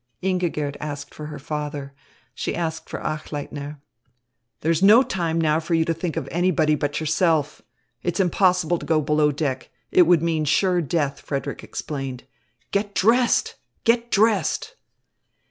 Ingigerd asked for her father. She asked for Achleitner. "There's no time now for you to think of anybody but yourself. It's impossible to go below deck. It would mean sure death," Frederick explained. "Get dressed! Get dressed!"